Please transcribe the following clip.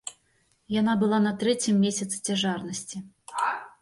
Яна была на трэцім месяцы цяжарнасці.